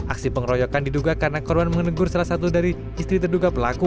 aksi pengeroyokan diduga karena korban menegur salah satu dari istri terduga pelaku